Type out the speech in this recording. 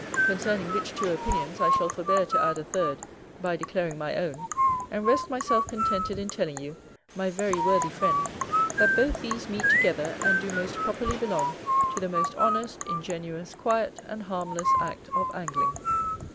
Concerning which two opinions I shall forbear to add a third, by declaring my own; and rest myself contented in telling you, my very worthy friend, that both these meet together, and do most properly belong to the most honest, ingenuous, quiet, and harmless art of angling.